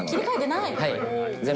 切り替えてない？